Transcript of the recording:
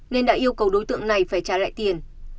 nên đã yêu cầu đối tượng này phải trả lại tiền